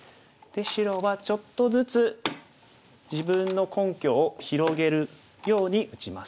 白はちょっとずつ自分の根拠を広げるように打ちます。